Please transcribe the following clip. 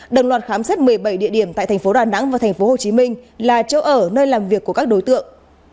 đồng loạt khám xét một mươi bảy địa điểm tại thành phố đà nẵng và tp hcm là chỗ ở nơi làm việc của các đối tượng